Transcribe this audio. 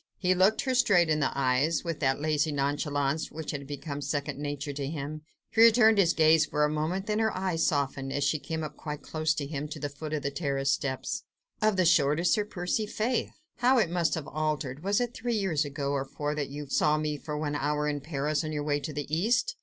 He looked her straight in the eyes, with that lazy nonchalance which had become second nature to him. She returned his gaze for a moment, then her eyes softened, as she came up quite close to him, to the foot of the terrace steps. "Of the shortest, Sir Percy? Faith! how it must have altered! Was it three years ago or four that you saw me for one hour in Paris, on your way to the East?